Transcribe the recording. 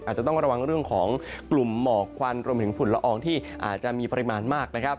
อาจจะต้องระวังเรื่องของกลุ่มหมอกควันรวมถึงฝุ่นละอองที่อาจจะมีปริมาณมากนะครับ